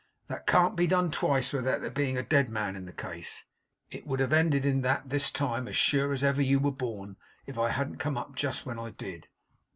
That can't be done twice without there being a dead man in the case; it would have ended in that, this time, as sure as ever you were born, if I hadn't come up just when I did.